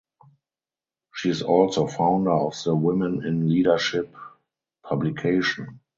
She is also founder of the "Women in Leadership Publication".